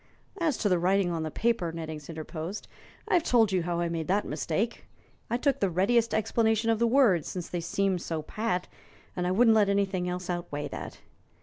"As to the writing on the paper," Nettings interposed, "I've told you how I made that mistake. I took the readiest explanation of the words, since they seemed so pat, and I wouldn't let anything else outweigh that.